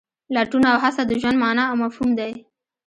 لټون او هڅه د ژوند مانا او مفهوم دی.